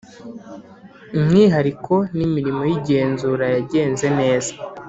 umwihariko n imirimo y igenzura yagenze neza